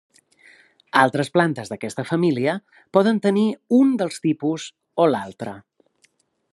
Altres plantes d'aquesta família poden tenir un dels tipus o l'altre.